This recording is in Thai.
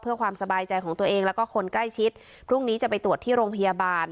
เพื่อความสบายใจของตัวเองแล้วก็คนใกล้ชิดพรุ่งนี้จะไปตรวจที่โรงพยาบาล